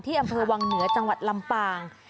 อำเภอวังเหนือจังหวัดลำปาง